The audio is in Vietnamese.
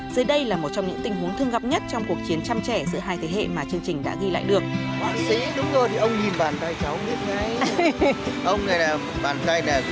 dưới đây là một trong những tình huống thương gặp nhất trong cuộc chiến chăm trẻ giữa hai thế hệ mà chương trình đã ghi lại được